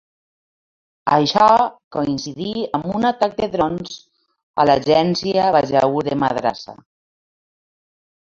Això coincidí amb un atac de drons a l'Agència Bajaur de Madrassa.